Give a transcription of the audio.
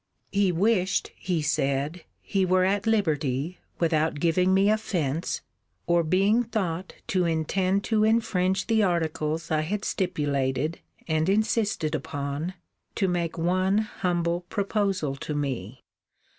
He wished, he said, he were at liberty, without giving me offence, or being thought to intend to infringe the articles I had stipulated and insisted upon, to make one humble proposal to me.